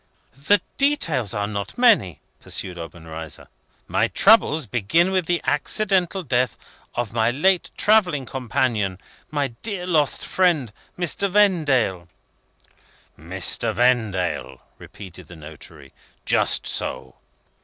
"The details are not many," pursued Obenreizer. "My troubles begin with the accidental death of my late travelling companion, my lost dear friend Mr. Vendale." "Mr. Vendale," repeated the notary. "Just so.